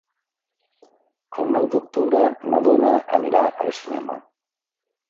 El nou d'octubre na Duna anirà al cinema.